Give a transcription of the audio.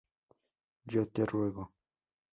Yo te ruego.